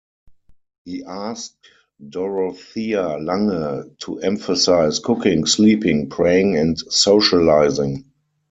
He asked Dorothea Lange to emphasize cooking, sleeping, praying and socializing.